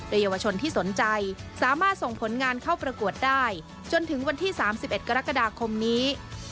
โดยเยาวชนที่สนใจสามารถส่งผลงานเข้าประกวดได้จนถึงวันที่๓๑กรกฎาคมนี้